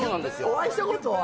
お会いしたことは？